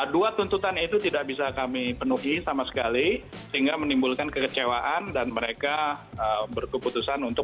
dua tuntutan itu tidak bisa kami penuhi sama sekali sehingga menimbulkan kekecewaan dan mereka berkeputusan untuk